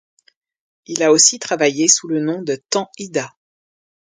Il a aussi travaillé sous le nom de Tan Ida.